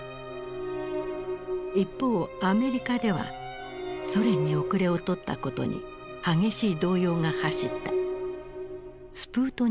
一方アメリカではソ連に後れを取ったことに激しい動揺が走った。